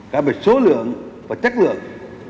cả bởi số lượng và chất lượng